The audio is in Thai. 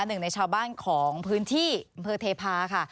หนึ่งในชาวบ้านของพื้นที่อำเภอเทพาค่ะ